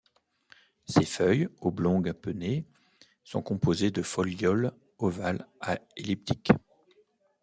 Ses feuilles, oblongues, pennées, sont composées de folioles ovales à elliptiques.